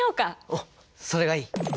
うんそれがいい！